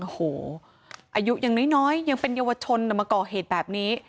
โอ้โหอายุยังน้อยยังเป็นเยาวชนมาก่อเหตุแบบนี้